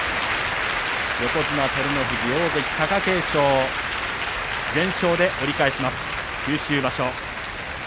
横綱照ノ富士大関貴景勝全勝で折り返します。